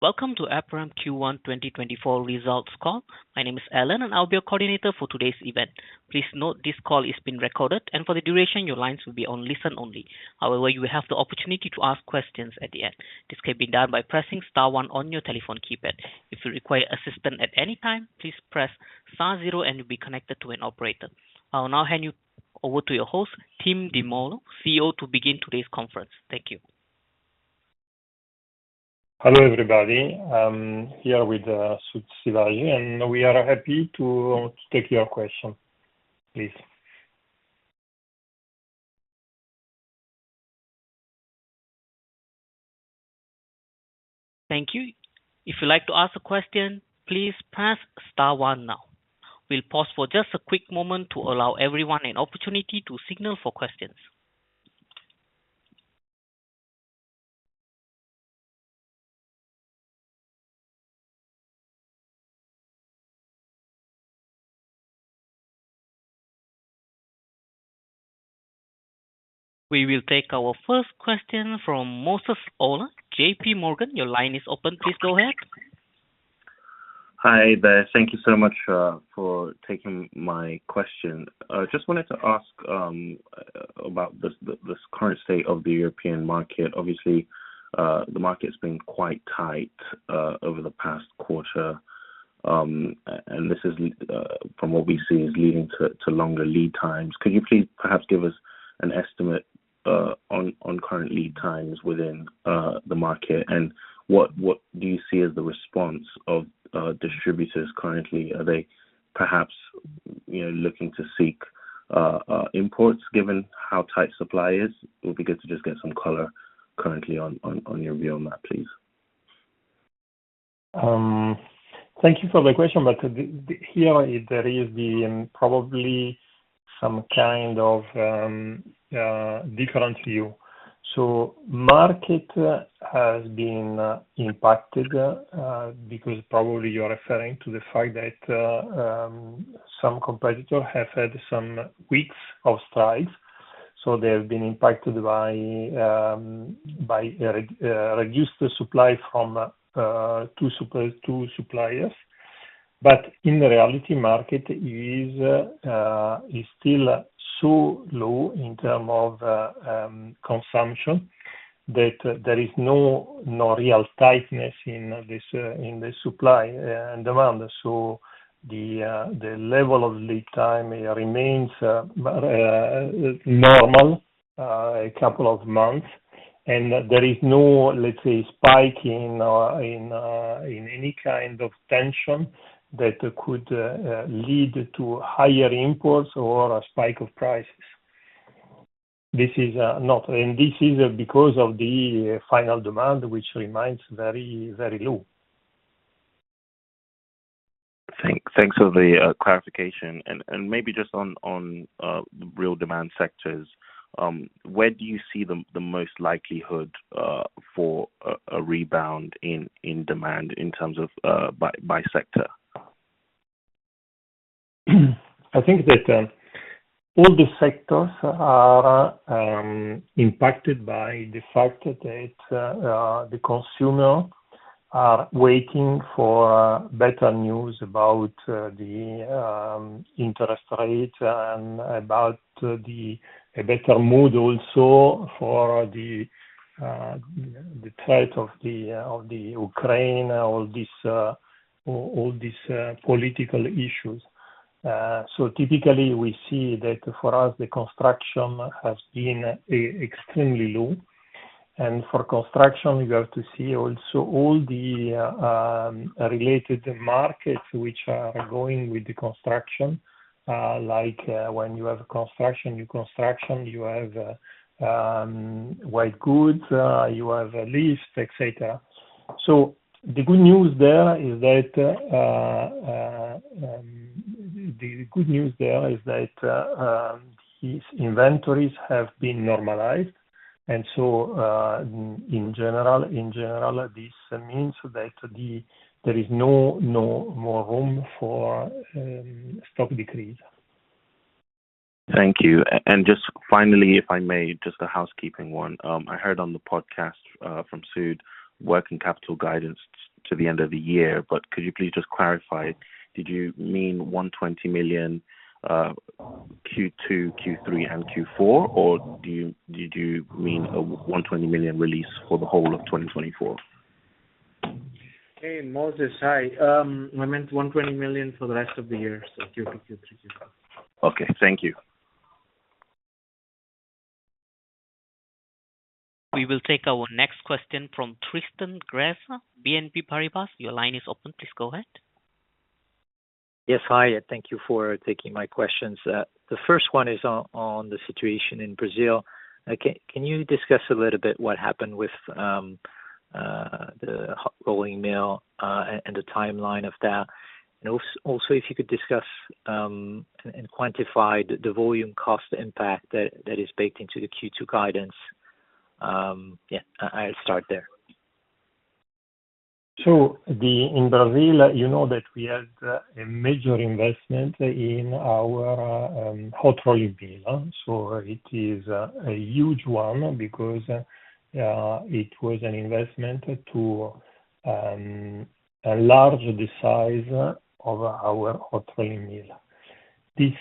Welcome to Aperam Q1 2024 results call. My name is Ellen, and I'll be your coordinator for today's event. Please note this call is being recorded, and for the duration, your lines will be on listen only. However, you will have the opportunity to ask questions at the end. This can be done by pressing star one on your telephone keypad. If you require assistance at any time, please press star zero, and you'll be connected to an operator. I'll now hand you over to your host, Timoteo Di Maulo, CEO, to begin today's conference. Thank you. Hello everybody. I'm here with Sudhakar Sivaji, and we are happy to take your questions. Please. Thank you. If you'd like to ask a question, please press star one now. We'll pause for just a quick moment to allow everyone an opportunity to signal for questions. We will take our first question from Moses Ola, JPMorgan. Your line is open. Please go ahead. Hi there. Thank you so much for taking my question. I just wanted to ask about this current state of the European market. Obviously, the market's been quite tight over the past quarter, and this is, from what we see, leading to longer lead times. Could you please perhaps give us an estimate on current lead times within the market, and what do you see as the response of distributors currently? Are they perhaps looking to seek imports given how tight supply is? It would be good to just get some color currently on your view on that, please. Thank you for the question, but here there is probably some kind of different view. So market has been impacted because probably you're referring to the fact that some competitors have had some weeks of strikes. So they have been impacted by reduced supply from 2 suppliers. But in reality, market is still so low in terms of consumption that there is no real tightness in the supply and demand. So the level of lead time remains normal a couple of months, and there is no, let's say, spike in any kind of tension that could lead to higher imports or a spike of prices. And this is because of the final demand, which remains very, very low. Thanks for the clarification. Maybe just on the real demand sectors, where do you see the most likelihood for a rebound in demand in terms of by sector? I think that all the sectors are impacted by the fact that the consumers are waiting for better news about the interest rates and about a better mood also for the threat of Ukraine, all these political issues. So typically, we see that for us, the construction has been extremely low. And for construction, you have to see also all the related markets which are going with the construction, like when you have construction, you have white goods, you have lifts, etc. So the good news there is that the good news there is that inventories have been normalized. And so in general, this means that there is no more room for stock decrease. Thank you. Just finally, if I may, just a housekeeping one. I heard on the podcast from Sudhakar working capital guidance to the end of the year, but could you please just clarify? Did you mean 120 million Q2, Q3, and Q4, or did you mean a 120 million release for the whole of 2024? Hey, Moses. Hi. I meant 120 million for the rest of the year, so Q2, Q3, Q4. Okay. Thank you. We will take our next question from Tristan Gresser, BNP Paribas. Your line is open. Please go ahead. Yes. Hi. Thank you for taking my questions. The first one is on the situation in Brazil. Can you discuss a little bit what happened with the rolling mill and the timeline of that? And also, if you could discuss and quantify the volume cost impact that is baked into the Q2 guidance. Yeah, I'll start there. So in Brazil, you know that we had a major investment in our hot rolling mill. So it is a huge one because it was an investment to enlarge the size of our hot rolling mill. This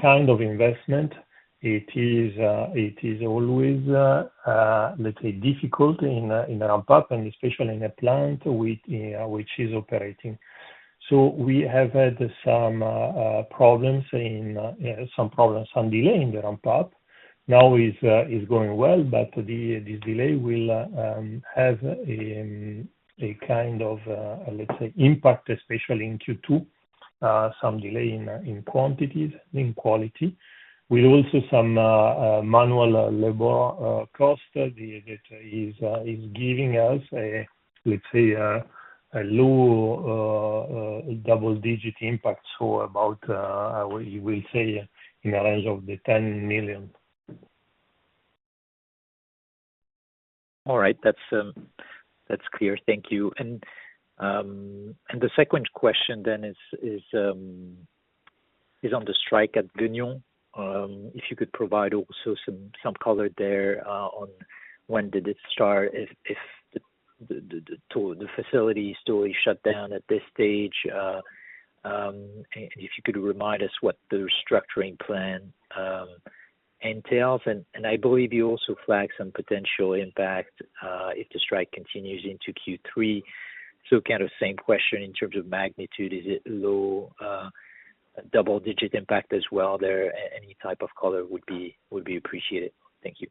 kind of investment, it is always, let's say, difficult in ramp-up, and especially in a plant which is operating. So we have had some problems and delay in the ramp-up. Now it's going well, but this delay will have a kind of, let's say, impact, especially in Q2, some delay in quantities, in quality, with also some manual labor cost that is giving us, let's say, a low double-digit impact. So about, we will say, in the range of 10 million. All right. That's clear. Thank you. And the second question then is on the strike at Gueugnon. If you could provide also some color there on when did it start, if the facility is totally shut down at this stage, and if you could remind us what the restructuring plan entails. And I believe you also flagged some potential impact if the strike continues into Q3. So kind of same question in terms of magnitude. Is it low double-digit impact as well there? Any type of color would be appreciated. Thank you.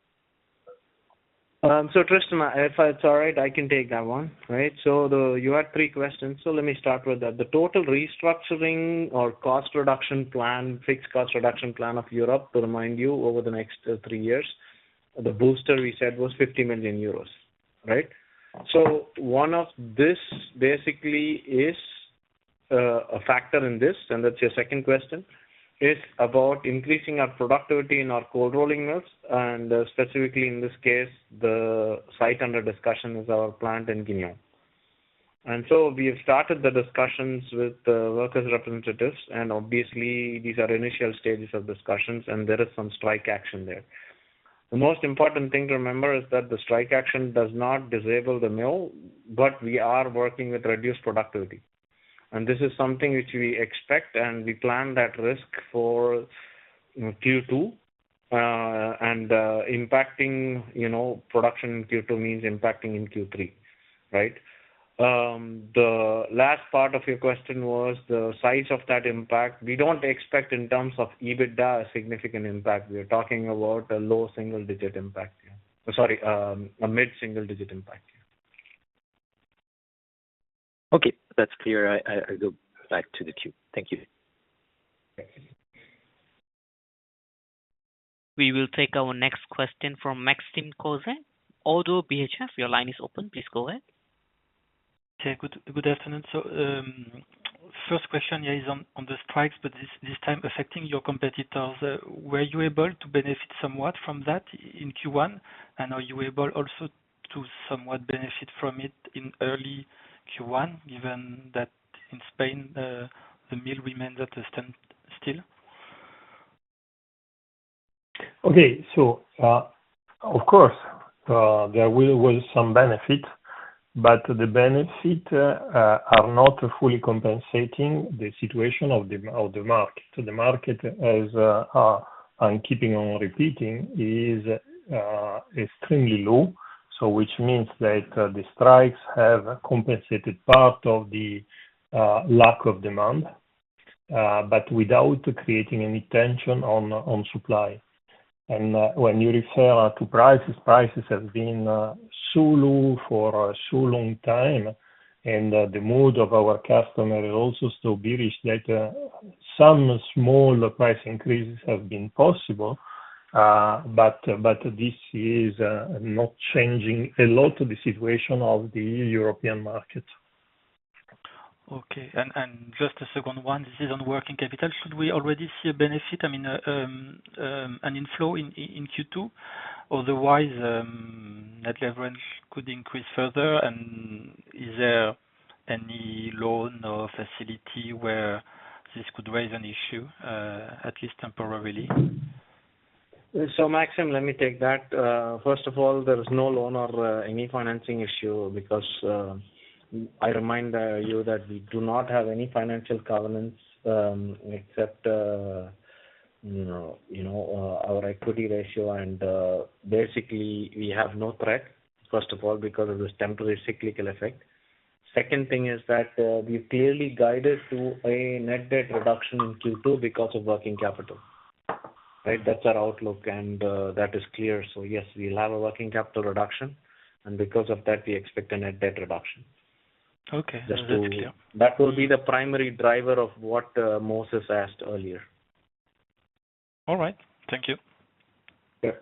So Tristan, if it's all right, I can take that one, right? So you had three questions. So let me start with that. The total restructuring or cost reduction plan, fixed cost reduction plan of Europe, to remind you, over the next three years, the booster we said was 50 million euros, right? So one of this basically is a factor in this, and that's your second question, is about increasing our productivity in our cold rolling mills. And specifically, in this case, the site under discussion is our plant in Gueugnon. And so we have started the discussions with the workers' representatives, and obviously, these are initial stages of discussions, and there is some strike action there. The most important thing to remember is that the strike action does not disable the mill, but we are working with reduced productivity. This is something which we expect, and we plan that risk for Q2. Impacting production in Q2 means impacting in Q3, right? The last part of your question was the size of that impact. We don't expect, in terms of EBITDA, a significant impact. We are talking about a low single-digit impact. Sorry, a mid-single-digit impact. Okay. That's clear. I'll go back to the queue. Thank you. We will take our next question from Maxime Kogge. ODDO BHF, your line is open. Please go ahead. Hey. Good afternoon. So first question, yeah, is on the strikes, but this time affecting your competitors. Were you able to benefit somewhat from that in Q1, and are you able also to somewhat benefit from it in early Q1, given that in Spain, the mill remains at a standstill? Okay. So of course, there was some benefit, but the benefits are not fully compensating the situation of the market. So the market, as I'm keeping on repeating, is extremely low, which means that the strikes have compensated part of the lack of demand but without creating any tension on supply. And when you refer to prices, prices have been so low for a so long time, and the mood of our customers is also so bearish that some small price increases have been possible, but this is not changing a lot of the situation of the European market. Okay. And just a second one. This is on working capital. Should we already see a benefit, I mean, an inflow in Q2? Otherwise, net leverage could increase further. And is there any loan or facility where this could raise an issue, at least temporarily? So Maxime, let me take that. First of all, there is no loan or any financing issue because I remind you that we do not have any financial governance except our equity ratio. Basically, we have no threat, first of all, because of this temporary cyclical effect. Second thing is that we've clearly guided to a net debt reduction in Q2 because of working capital, right? That's our outlook, and that is clear. Yes, we'll have a working capital reduction, and because of that, we expect a net debt reduction. Okay. That's clear. That will be the primary driver of what Moses asked earlier. All right. Thank you. Sure.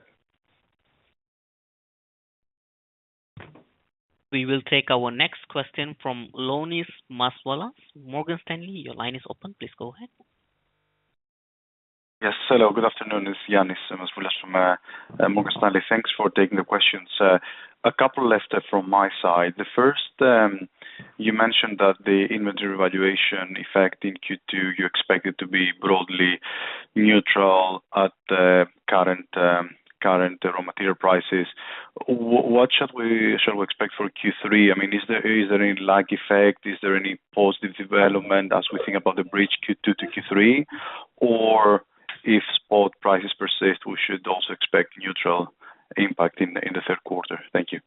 We will take our next question from Ioannis Masvoulas. Morgan Stanley, your line is open. Please go ahead. Yes. Hello. Good afternoon. It's Ioannis Masvoulas from Morgan Stanley. Thanks for taking the questions. A couple left from my side. The first, you mentioned that the inventory valuation effect in Q2, you expect it to be broadly neutral at current raw material prices. What shall we expect for Q3? I mean, is there any lag effect? Is there any positive development as we think about the bridge Q2 to Q3, or if spot prices persist, we should also expect neutral impact in the third quarter? Thank you.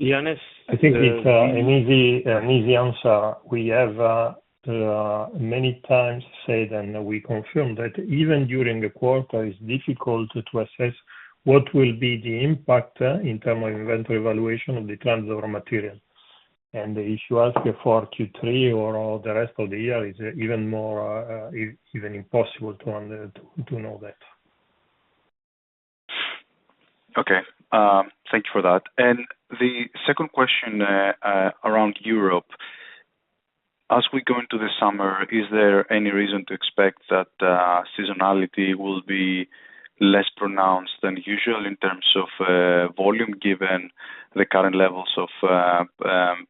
Ioannis? I think it's an easy answer. We have many times said and we confirmed that even during the quarter, it's difficult to assess what will be the impact in terms of inventory valuation of the transit raw material. If you ask for Q3 or the rest of the year, it's even more even impossible to know that. Okay. Thank you for that. The second question around Europe. As we go into the summer, is there any reason to expect that seasonality will be less pronounced than usual in terms of volume given the current levels of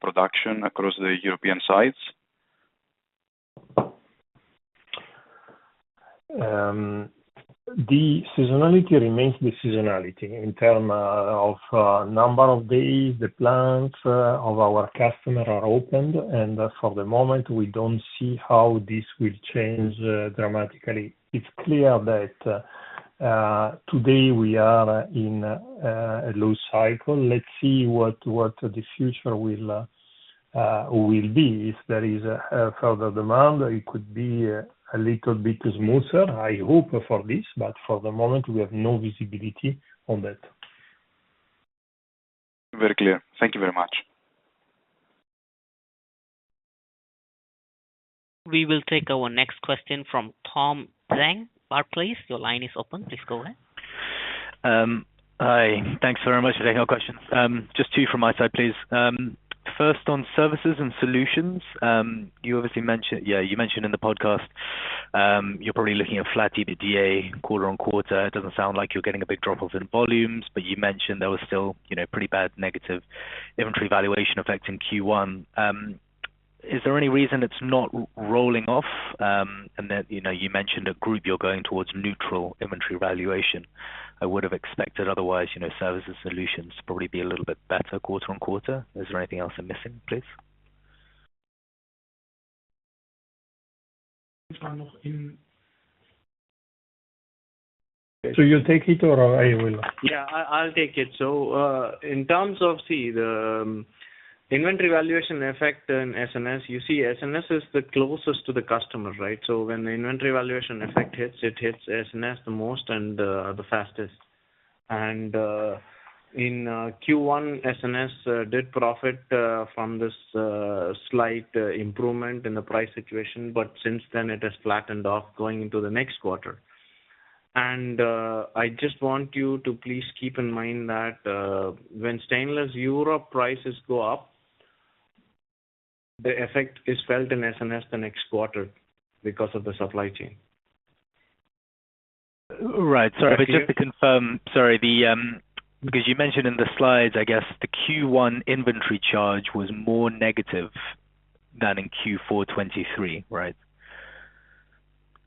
production across the European sites? The seasonality remains the seasonality in terms of number of days the plants of our customers are opened. For the moment, we don't see how this will change dramatically. It's clear that today, we are in a low cycle. Let's see what the future will be. If there is further demand, it could be a little bit smoother, I hope, for this, but for the moment, we have no visibility on that. Very clear. Thank you very much. We will take our next question from Tom Zhang, Barclays. Your line is open. Please go ahead. Hi. Thanks very much for taking our questions. Just two from my side, please. First, on Services and Solutions, you obviously mentioned yeah, you mentioned in the podcast you're probably looking at flat EBITDA quarter-on-quarter. It doesn't sound like you're getting a big drop of volumes, but you mentioned there was still pretty bad negative inventory valuation effect in Q1. Is there any reason it's not rolling off? And you mentioned at Group, you're going towards neutral inventory valuation. I would have expected otherwise, Services and Solutions to probably be a little bit better quarter on quarter. Is there anything else I'm missing, please? So you'll take it, or I will? Yeah. I'll take it. So in terms of, see, the inventory valuation effect in S&S, you see, S&S is the closest to the customer, right? So when the inventory valuation effect hits, it hits S&S the most and the fastest. And in Q1, S&S did profit from this slight improvement in the price situation, but since then, it has flattened off going into the next quarter. And I just want you to please keep in mind that when Stainless Europe prices go up, the effect is felt in S&S the next quarter because of the supply chain. Right. Sorry. But just to confirm, sorry, because you mentioned in the slides, I guess, the Q1 inventory charge was more negative than in Q4 2023, right?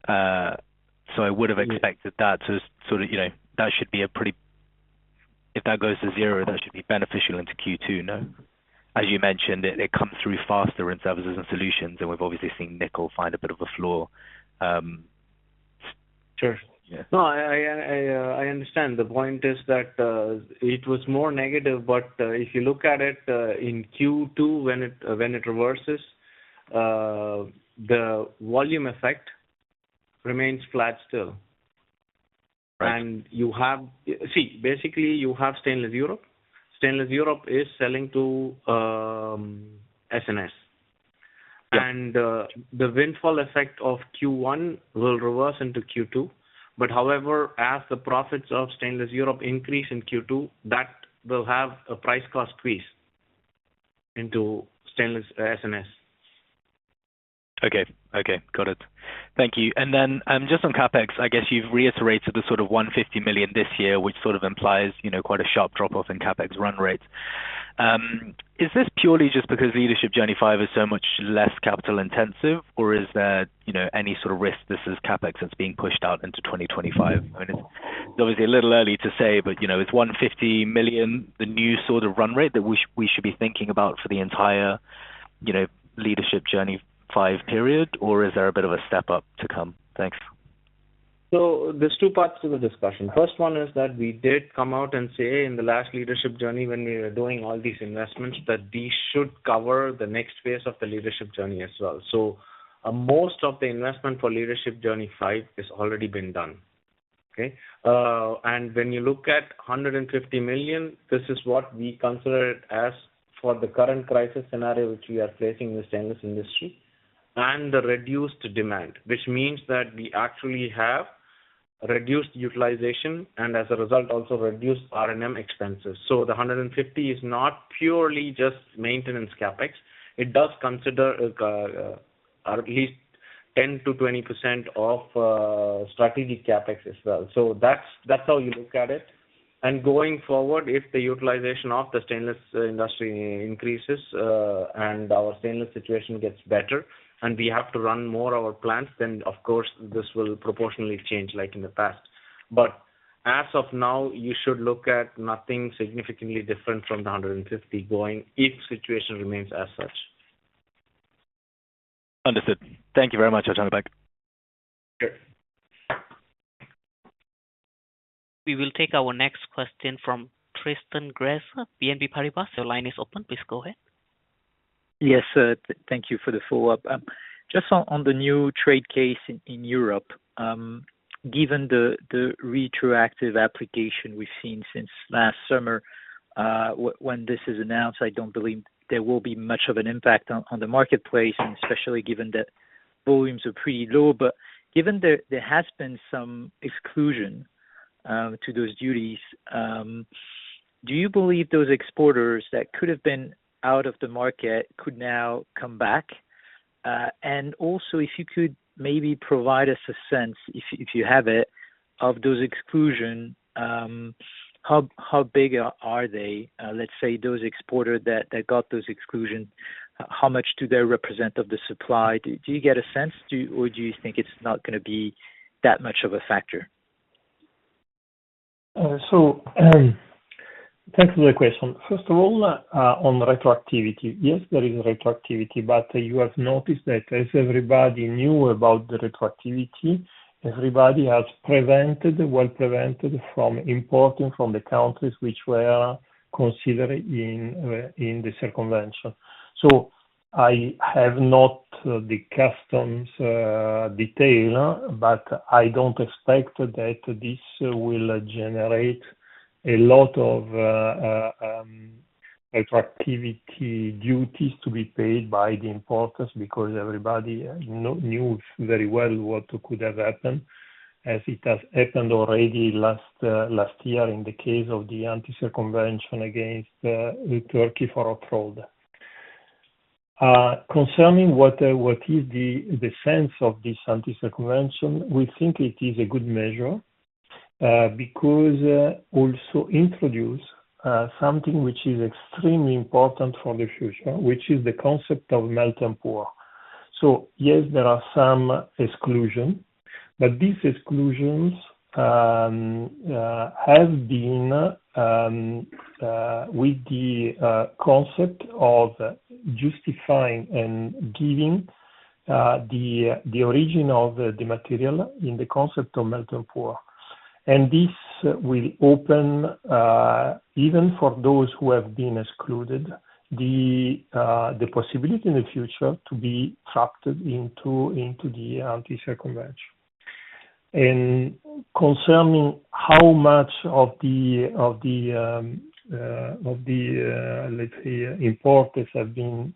So I would have expected that to sort of that should be a pretty if that goes to zero, that should be beneficial into Q2, no? As you mentioned, it comes through faster in Services and Solutions, and we've obviously seen nickel find a bit of a floor. Sure. No, I understand. The point is that it was more negative, but if you look at it in Q2, when it reverses, the volume effect remains flat still. And see, basically, you have Stainless Europe. Stainless Europe is selling to S&S. And the windfall effect of Q1 will reverse into Q2. But however, as the profits of Stainless Europe increase in Q2, that will have a price-cost squeeze into S&S. Okay. Okay. Got it. Thank you. And then just on CapEx, I guess you've reiterated the sort of 150 million this year, which sort of implies quite a sharp drop-off in CapEx run rates. Is this purely just because Leadership Journey 5 is so much less capital-intensive, or is there any sort of risk this is CapEx that's being pushed out into 2025? I mean, it's obviously a little early to say, but is 150 million the new sort of run rate that we should be thinking about for the entire Leadership Journey 5 period, or is there a bit of a step up to come? Thanks. So there's two parts to the discussion. First one is that we did come out and say in the last Leadership Journey, when we were doing all these investments, that these should cover the next phase of the Leadership Journey as well. So most of the investment for Leadership Journey 5 has already been done, okay? And when you look at 150 million, this is what we consider it as for the current crisis scenario which we are facing in the stainless industry and the reduced demand, which means that we actually have reduced utilization and, as a result, also reduced R&M expenses. So the 150 is not purely just maintenance CapEx. It does consider at least 10%-20% of strategic CapEx as well. So that's how you look at it. Going forward, if the utilization of the stainless industry increases and our stainless situation gets better and we have to run more of our plants, then, of course, this will proportionally change like in the past. As of now, you should look at nothing significantly different from the 150 going if situation remains as such. Understood. Thank you very much. I'll turn it back. Sure. We will take our next question from Tristan Gresser, BNP Paribas. Your line is open. Please go ahead. Yes. Thank you for the follow-up. Just on the new trade case in Europe, given the retroactive application we've seen since last summer when this is announced, I don't believe there will be much of an impact on the marketplace, especially given that volumes are pretty low. But given there has been some exclusions to those duties, do you believe those exporters that could have been out of the market could now come back? And also, if you could maybe provide us a sense, if you have it, of those exclusions, how big are they? Let's say those exporters that got those exclusions, how much do they represent of the supply? Do you get a sense, or do you think it's not going to be that much of a factor? So thanks for the question. First of all, on retroactivity, yes, there is retroactivity. But you have noticed that as everybody knew about the retroactivity, everybody has well prevented from importing from the countries which were considered in the circumvention. So I have not the customs detail, but I don't expect that this will generate a lot of retroactivity duties to be paid by the importers because everybody knew very well what could have happened, as it has happened already last year in the case of the anti-circumvention against Turkey for a toll. Concerning what is the sense of this anti-circumvention, we think it is a good measure because also introduced something which is extremely important for the future, which is the concept of melt and pour. So yes, there are some exclusions, but these exclusions have been with the concept of justifying and giving the origin of the material in the concept of melt and pour. And this will open, even for those who have been excluded, the possibility in the future to be trapped into the anti-circumvention. And concerning how much of the, let's say, importers have been,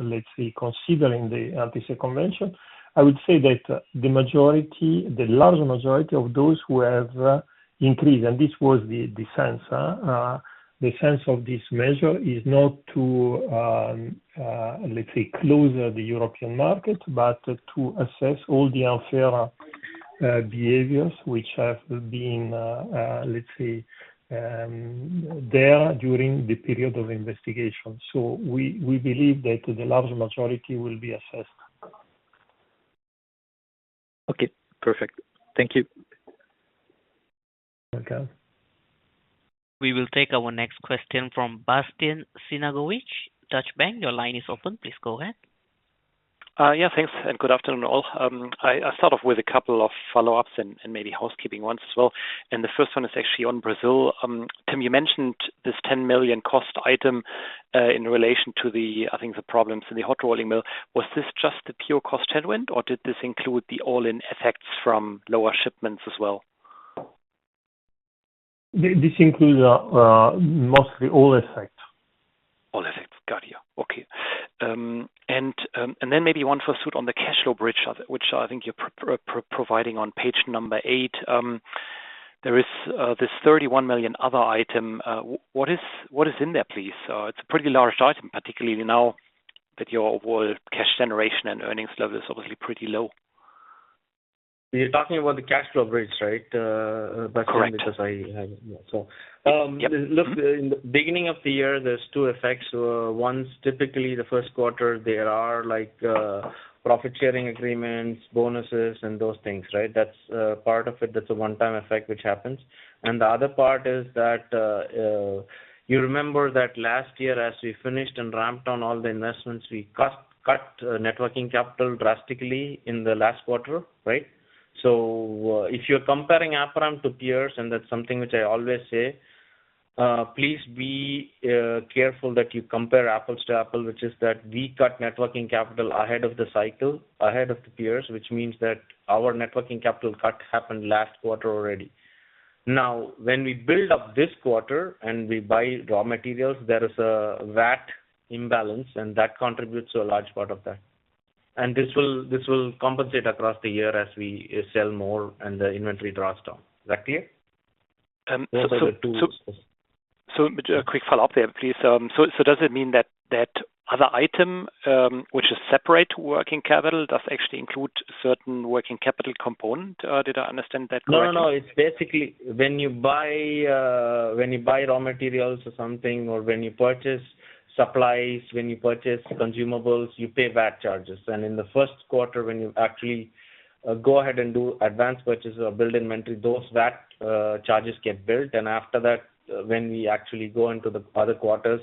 let's say, considering the anti-circumvention, I would say that the large majority of those who have increased and this was the sense. The sense of this measure is not to, let's say, close the European market but to assess all the unfair behaviors which have been, let's say, there during the period of investigation. So we believe that the large majority will be assessed. Okay. Perfect. Thank you. Welcome. We will take our next question from Bastian Synagowitz, Deutsche Bank. Your line is open. Please go ahead. Yeah. Thanks and good afternoon all. I'll start off with a couple of follow-ups and maybe housekeeping ones as well. The first one is actually on Brazil. Tim, you mentioned this 10 million cost item in relation to the, I think, the problems in the hot rolling mill. Was this just the pure cost headwind, or did this include the all-in effects from lower shipments as well? This includes mostly all effects. All effects. Got you. Okay. And then maybe one for Sud on the Cash Flow Bridge, which I think you're providing on page number 8. There is this 31 million other item. What is in there, please? It's a pretty large item, particularly now that your overall cash generation and earnings level is obviously pretty low. You're talking about the Cash Flow Bridge, right? Bastian, because I yeah. So look, in the beginning of the year, there's two effects. One, typically, the first quarter, there are profit-sharing agreements, bonuses, and those things, right? That's part of it. That's a one-time effect which happens. And the other part is that you remember that last year, as we finished and ramped on all the investments, we cut net working capital drastically in the last quarter, right? So if you're comparing Aperam to peers, and that's something which I always say, please be careful that you compare apples to apples, which is that we cut net working capital ahead of the cycle, ahead of the peers, which means that our net working capital cut happened last quarter already. Now, when we build up this quarter and we buy raw materials, there is a VAT imbalance, and that contributes to a large part of that. This will compensate across the year as we sell more and the inventory drops down. Is that clear? A quick follow-up there, please. Does it mean that that other item, which is separate to working capital, does actually include certain working capital component? Did I understand that correctly? No, no, no. When you buy raw materials or something or when you purchase supplies, when you purchase consumables, you pay VAT charges. And in the first quarter, when you actually go ahead and do advance purchases or build inventory, those VAT charges get built. And after that, when we actually go into the other quarters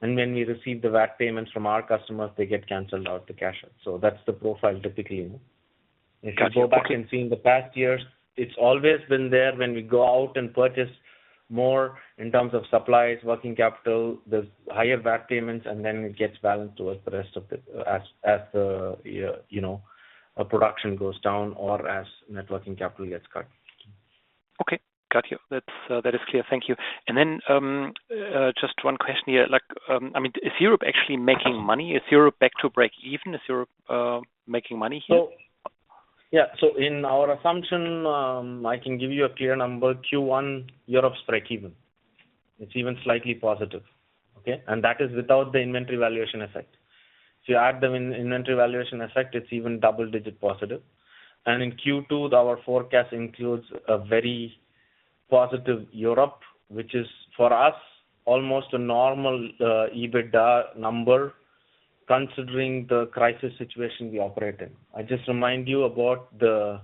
and when we receive the VAT payments from our customers, they get canceled out, the cash out. So that's the profile, typically. If you go back and see in the past years, it's always been there. When we go out and purchase more in terms of supplies, working capital, there's higher VAT payments, and then it gets balanced towards the rest of the year as the production goes down or as net working capital gets cut. Okay. Got you. That is clear. Thank you. Just one question here. I mean, is Europe actually making money? Is Europe back to break even? Is Europe making money here? Yeah. So in our assumption, I can give you a clear number. Q1, Europe's break even. It's even slightly positive, okay? And that is without the inventory valuation effect. If you add the inventory valuation effect, it's even double-digit positive. And in Q2, our forecast includes a very positive Europe, which is, for us, almost a normal EBITDA number considering the crisis situation we operate in. I just remind you about the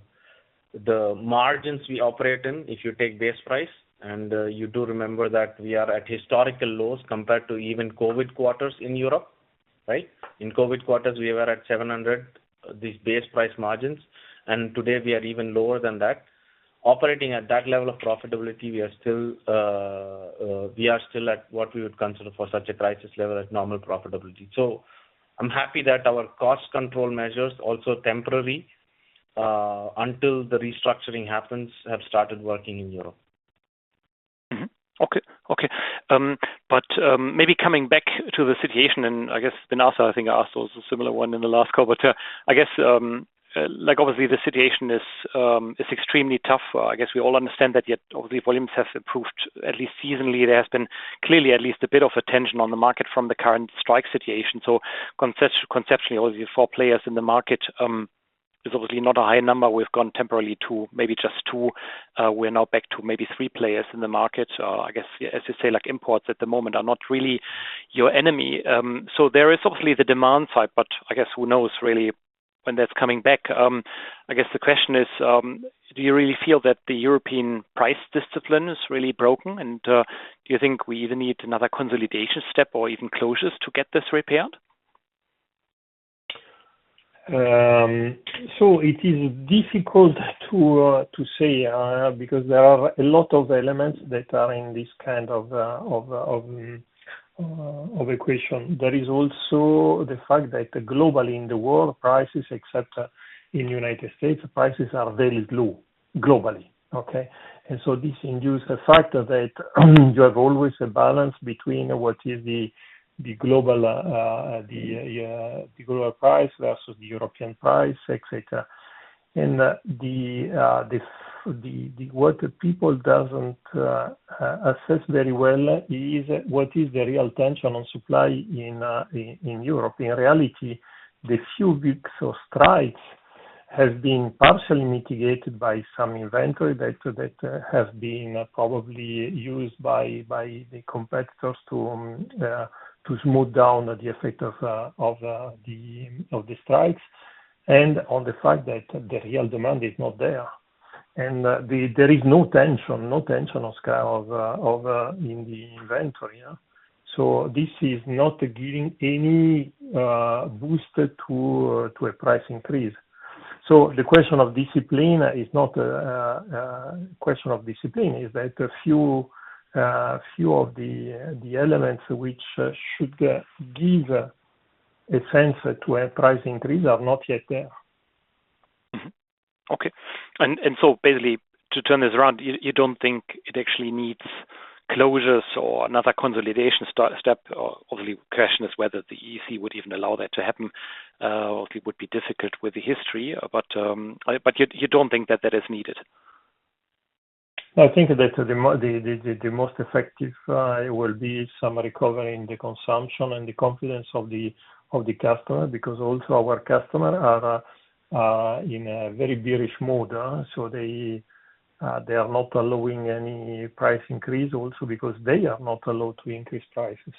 margins we operate in if you take base price. And you do remember that we are at historical lows compared to even COVID quarters in Europe, right? In COVID quarters, we were at 700, these base price margins. And today, we are even lower than that. Operating at that level of profitability, we are still we are still at what we would consider for such a crisis level at normal profitability. I'm happy that our cost-control measures, also temporary until the restructuring happens, have started working in Europe. Okay. Okay. But maybe coming back to the situation and I guess Benassa, I think, asked also a similar one in the last call. But I guess, obviously, the situation is extremely tough. I guess we all understand that, yet, obviously, volumes have improved. At least seasonally, there has been clearly at least a bit of a tension on the market from the current strike situation. So conceptually, obviously, four players in the market is obviously not a high number. We've gone temporarily to maybe just two. We're now back to maybe three players in the market. I guess, as you say, imports at the moment are not really your enemy. So there is, obviously, the demand side, but I guess who knows, really, when that's coming back? I guess the question is, do you really feel that the European price discipline is really broken? Do you think we even need another consolidation step or even closures to get this repaired? So it is difficult to say because there are a lot of elements that are in this kind of equation. There is also the fact that globally, in the world, prices, except in the United States, prices are very low globally, okay? And so this induces the fact that you have always a balance between what is the global price versus the European price, etc. And what people doesn't assess very well is what is the real tension on supply in Europe. In reality, the few weeks of strikes have been partially mitigated by some inventory that has been probably used by the competitors to smooth down the effect of the strikes and on the fact that the real demand is not there. And there is no tension, no tension of scale in the inventory. So this is not giving any boost to a price increase. So the question of discipline is not a question of discipline. It's that a few of the elements which should give a sense to a price increase are not yet there. Okay. And so basically, to turn this around, you don't think it actually needs closures or another consolidation step? Obviously, the question is whether the EC would even allow that to happen. Obviously, it would be difficult with the history, but you don't think that that is needed? I think that the most effective will be some recovery in the consumption and the confidence of the customer because also our customers are in a very bearish mood. So they are not allowing any price increase also because they are not allowed to increase prices.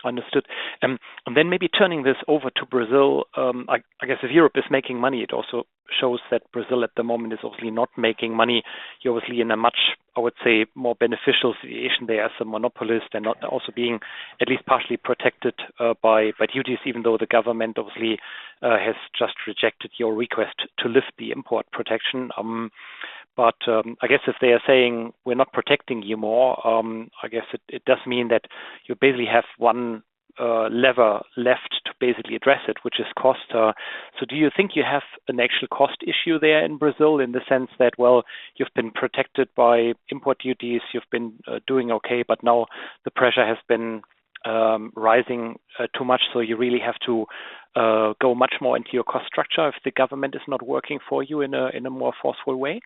Okay. Understood. And then maybe turning this over to Brazil. I guess if Europe is making money, it also shows that Brazil, at the moment, is obviously not making money. You're obviously in a much, I would say, more beneficial situation. They are a monopolist. They're also being at least partially protected by duties, even though the government, obviously, has just rejected your request to lift the import protection. But I guess if they are saying, "We're not protecting you more," I guess it does mean that you basically have one lever left to basically address it, which is cost. So do you think you have an actual cost issue there in Brazil in the sense that, well, you've been protected by import duties? You've been doing okay, but now the pressure has been rising too much. You really have to go much more into your cost structure if the government is not working for you in a more forceful way?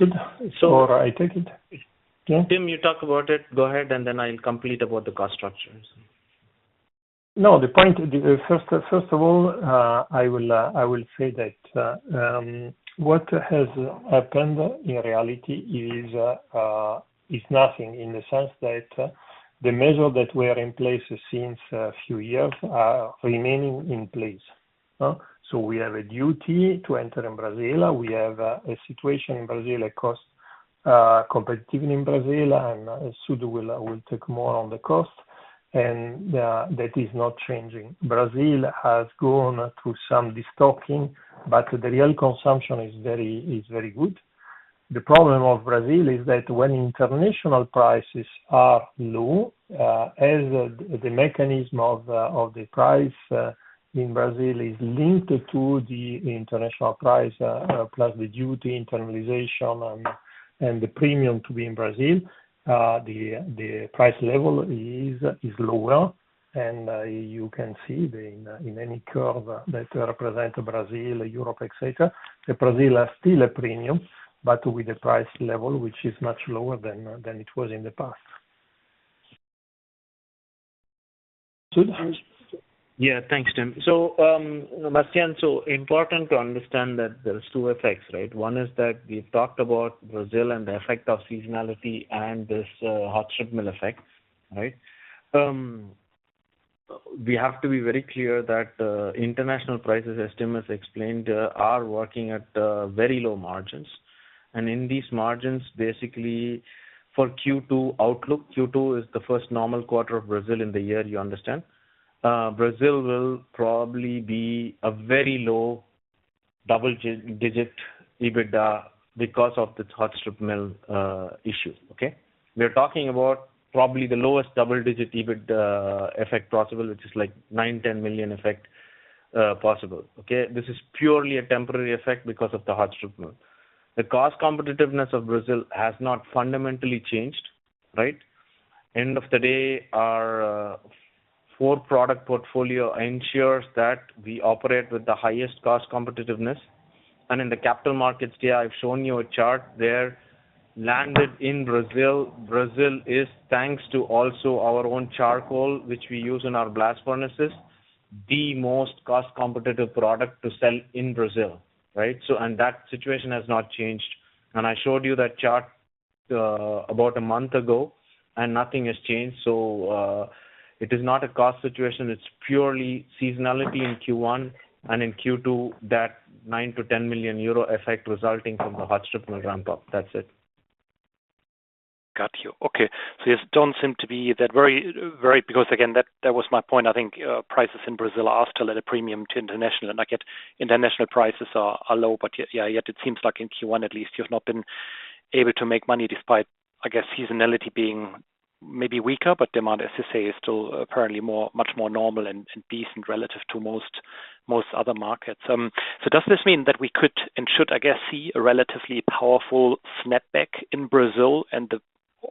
I take it. Yeah. Tim, you talk about it. Go ahead, and then I'll comment about the cost structures. No, the point, first of all, I will say that what has happened, in reality, is nothing in the sense that the measures that are in place since a few years are remaining in place. So we have a duty to enter in Brazil. We have a situation in Brazil that costs competitively in Brazil, and Sud will take more on the cost. And that is not changing. Brazil has gone through some destocking, but the real consumption is very good. The problem of Brazil is that when international prices are low, as the mechanism of the price in Brazil is linked to the international price plus the duty internalization and the premium to be in Brazil, the price level is lower. You can see in any curve that represents Brazil, Europe, etc., that Brazil has still a premium but with a price level which is much lower than it was in the past. Yeah. Thanks, Tim. So Bastian, so important to understand that there's two effects, right? One is that we've talked about Brazil and the effect of seasonality and this hot strip mill effect, right? We have to be very clear that international prices estimates, explained, are working at very low margins. And in these margins, basically, for Q2 outlook, Q2 is the first normal quarter of Brazil in the year, you understand. Brazil will probably be a very low double-digit EBITDA because of this hot strip mill issue, okay? We are talking about probably the lowest double-digit EBITDA effect possible, which is like 9-10 million effect possible, okay? This is purely a temporary effect because of the hot strip mill. The cost competitiveness of Brazil has not fundamentally changed, right? End of the day, our core product portfolio ensures that we operate with the highest cost competitiveness. In the capital markets there, I've shown you a chart there. Landed in Brazil, Brazil is, thanks to also our own charcoal, which we use in our blast furnaces, the most cost competitive product to sell in Brazil, right? That situation has not changed. I showed you that chart about a month ago, and nothing has changed. So it is not a cost situation. It's purely seasonality in Q1 and in Q2, that 9-10 million euro effect resulting from the hot strip mill ramp-up. That's it. Got you. Okay. So yes, it doesn't seem to be that very because, again, that was my point. I think prices in Brazil are still at a premium to international. And I get international prices are low, but yeah, yet it seems like in Q1, at least, you've not been able to make money despite, I guess, seasonality being maybe weaker, but demand, as you say, is still apparently much more normal and decent relative to most other markets. So does this mean that we could and should, I guess, see a relatively powerful snapback in Brazil and the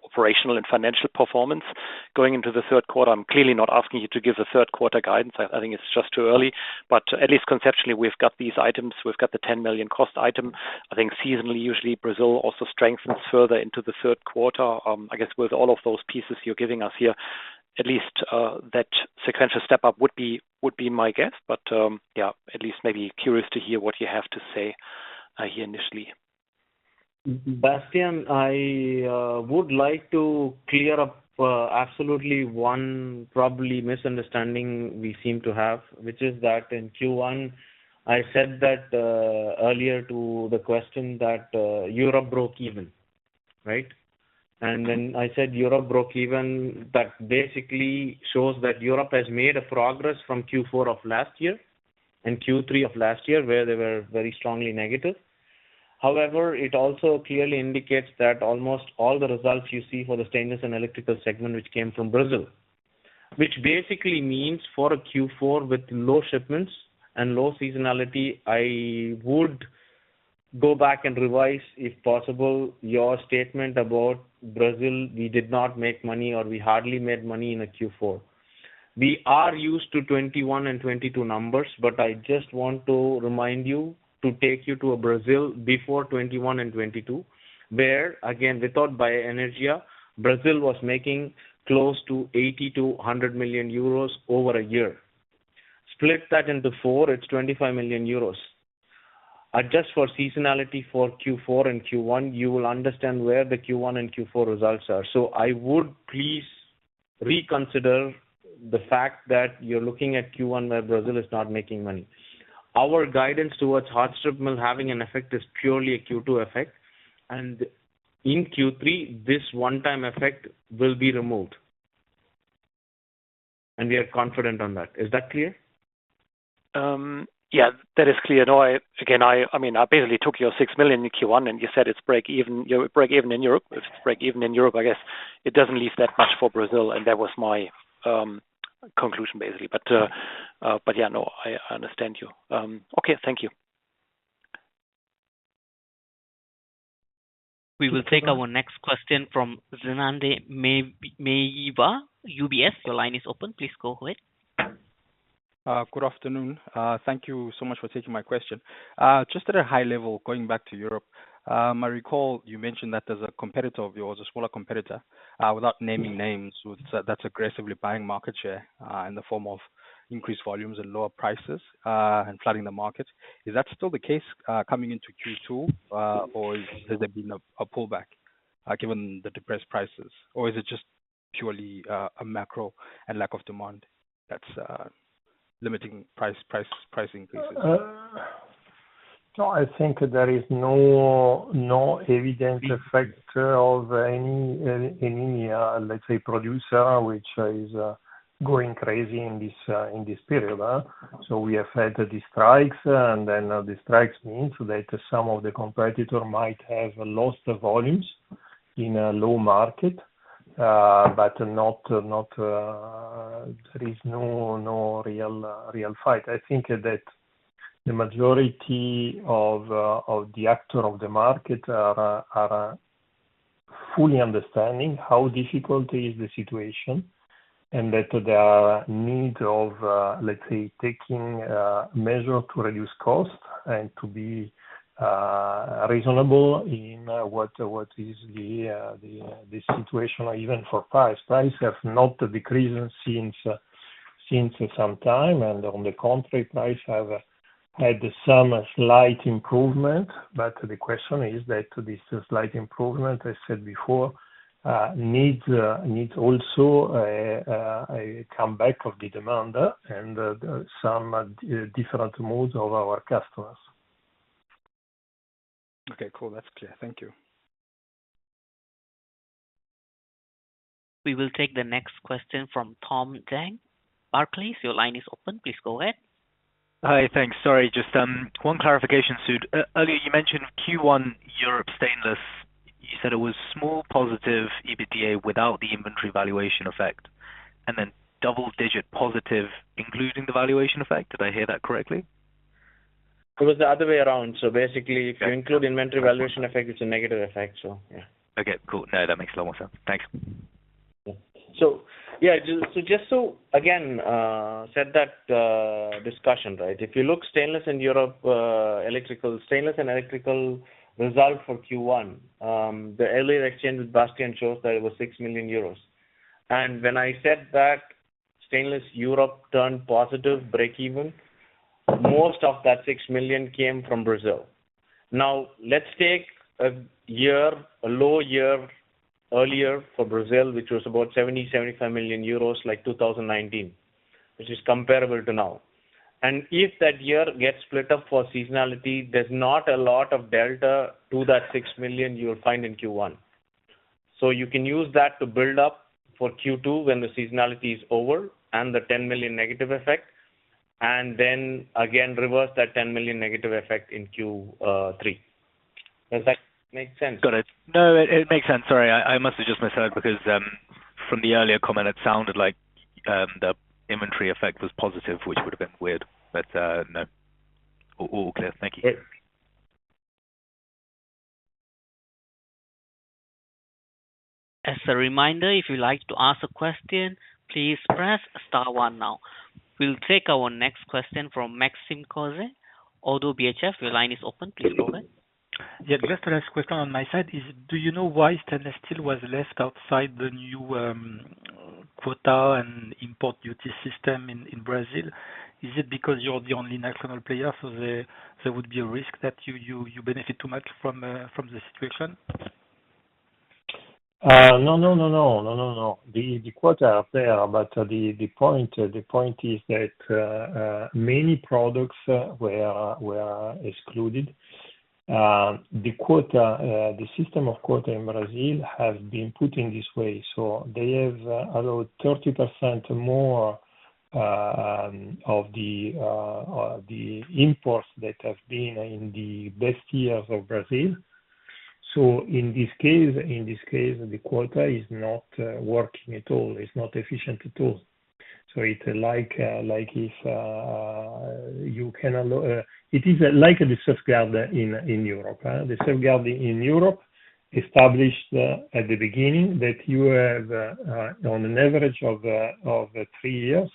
operational and financial performance going into the third quarter? I'm clearly not asking you to give a third-quarter guidance. I think it's just too early. But at least conceptually, we've got these items. We've got the 10 million cost item. I think seasonally, usually, Brazil also strengthens further into the third quarter. I guess with all of those pieces you're giving us here, at least that sequential step-up would be my guess. But yeah, at least maybe curious to hear what you have to say here initially. Bastian, I would like to clear up absolutely one probably misunderstanding we seem to have, which is that in Q1, I said that earlier to the question that Europe broke even, right? And then I said Europe broke even. That basically shows that Europe has made progress from Q4 of last year and Q3 of last year, where they were very strongly negative. However, it also clearly indicates that almost all the results you see for the Stainless and Electrical segment, which came from Brazil, which basically means for a Q4 with low shipments and low seasonality, I would go back and revise, if possible, your statement about Brazil, "We did not make money," or, "We hardly made money in a Q4." We are used to 2021 and 2022 numbers, but I just want to remind you, to take you to Brazil before 2021 and 2022, where, again, without BioEnergia, Brazil was making close to 80 million-100 million euros over a year. Split that into four. It's 25 million euros. Adjust for seasonality for Q4 and Q1. You will understand where the Q1 and Q4 results are. So I would please reconsider the fact that you're looking at Q1 where Brazil is not making money. Our guidance towards hot strip mill having an effect is purely a Q2 effect. In Q3, this one-time effect will be removed. We are confident on that. Is that clear? Yeah, that is clear. No, again, I mean, I basically took your 6 million in Q1, and you said it's break even in Europe. If it's break even in Europe, I guess it doesn't leave that much for Brazil. And that was my conclusion, basically. But yeah, no, I understand you. Okay. Thank you. We will take our next question from Zenande Meyiwa, UBS. Your line is open. Please go ahead. Good afternoon. Thank you so much for taking my question. Just at a high level, going back to Europe, I recall you mentioned that there's a competitor of yours, a smaller competitor, without naming names, that's aggressively buying market share in the form of increased volumes and lower prices and flooding the market. Is that still the case coming into Q2, or has there been a pullback given the depressed prices? Or is it just purely a macro and lack of demand that's limiting price increases? No, I think there is no evident effect of any, let's say, producer which is going crazy in this period. So we have had the strikes, and then the strikes means that some of the competitor might have lost volumes in a low market, but there is no real fight. I think that the majority of the actors of the market are fully understanding how difficult is the situation and that there are needs of, let's say, taking measures to reduce cost and to be reasonable in what is the situation, even for price. Prices have not decreased since some time. And on the contrary, prices have had some slight improvement. But the question is that this slight improvement, I said before, needs also a comeback of the demand and some different moods of our customers. Okay. Cool. That's clear. Thank you. We will take the next question from Tom Zhang, Barclays. Your line is open. Please go ahead. Hi. Thanks. Sorry, just one clarification, Sudhakar. Earlier, you mentioned Q1 Europe stainless. You said it was small positive EBITDA without the inventory valuation effect and then double-digit positive including the valuation effect. Did I hear that correctly? It was the other way around. So basically, if you include inventory valuation effect, it's a negative effect. So yeah. Okay. Cool. No, that makes a lot more sense. Thanks. So yeah, just to, again, set that discussion, right? If you look at Stainless and Electrical results for Q1, the earlier exchange with Bastian shows that it was 6 million euros. And when I said that stainless Europe turned positive, break even, most of that 6 million came from Brazil. Now, let's take a low year earlier for Brazil, which was about 70-75 million euros, like 2019, which is comparable to now. And if that year gets split up for seasonality, there's not a lot of delta to that 6 million you will find in Q1. So you can use that to build up for Q2 when the seasonality is over and the 10 million negative effect and then, again, reverse that 10 million negative effect in Q3. Does that make sense? Got it. No, it makes sense. Sorry, I must have just misheard because from the earlier comment, it sounded like the inventory effect was positive, which would have been weird. But no, all clear. Thank you. As a reminder, if you'd like to ask a question, please press star one now. We'll take our next question from Maxime Kogge. ODDO BHF, your line is open. Please go ahead. Yeah, just to ask a question on my side, do you know why stainless steel was left outside the new quota and import duty system in Brazil? Is it because you're the only national player? So there would be a risk that you benefit too much from the situation? No, no, no, no, no, no, no. The quota are there, but the point is that many products were excluded. The system of quota in Brazil has been put in this way. They have allowed 30% more of the imports that have been in the best years of Brazil. In this case, the quota is not working at all. It's not efficient at all. It's like if you can allow it is like the safeguard in Europe. The safeguard in Europe established at the beginning that you have, on an average of three years,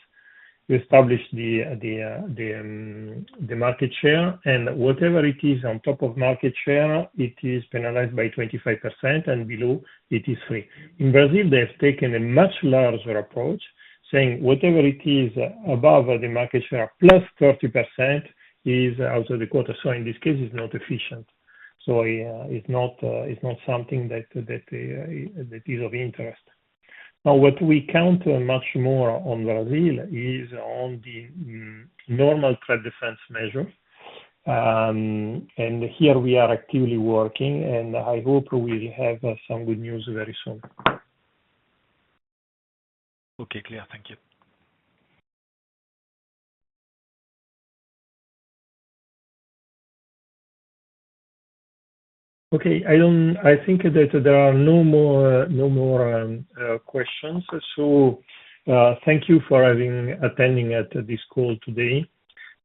you establish the market share. Whatever it is on top of market share, it is penalized by 25%. Below, it is free. In Brazil, they have taken a much larger approach, saying whatever it is above the market share plus 30% is out of the quota. In this case, it's not efficient. It's not something that is of interest. Now, what we count much more on Brazil is on the normal trade defense measures. Here, we are actively working. I hope we will have some good news very soon. Okay. Clear. Thank you. Okay. I think that there are no more questions. So thank you for attending this call today.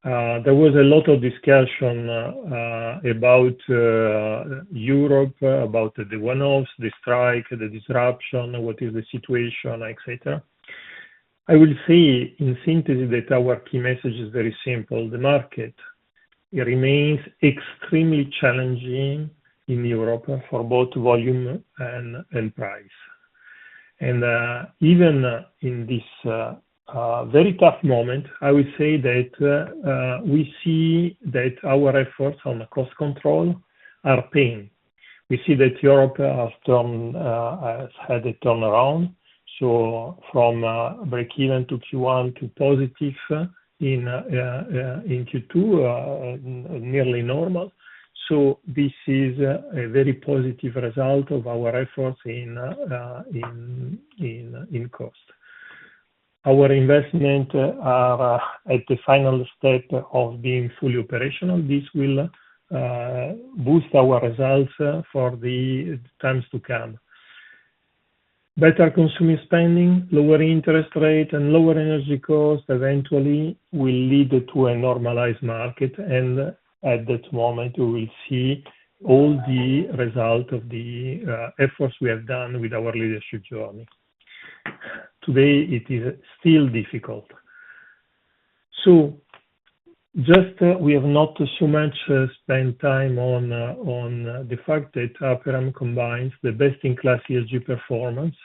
There was a lot of discussion about Europe, about the one-offs, the strike, the disruption, what is the situation, etc. I will say in synthesis that our key message is very simple. The market, it remains extremely challenging in Europe for both volume and price. And even in this very tough moment, I would say that we see that our efforts on cost control are paying. We see that Europe has had a turnaround. So from break even to Q1 to positive in Q2, nearly normal. So this is a very positive result of our efforts in cost. Our investments are at the final step of being fully operational. This will boost our results for the times to come. Better consumer spending, lower interest rate, and lower energy cost eventually will lead to a normalized market. At that moment, we will see all the results of the efforts we have done with our leadership journey. Today, it is still difficult. We have not so much spent time on the fact that Aperam combines the best-in-class ESG performance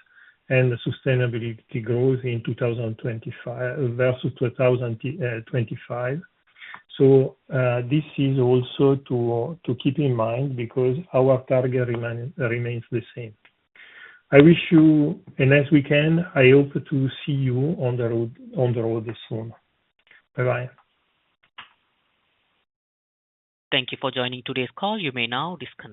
and sustainability growth in 2025 versus 2025. This is also to keep in mind because our target remains the same. I wish you a nice weekend. I hope to see you on the road soon. Bye-bye. Thank you for joining today's call. You may now disconnect.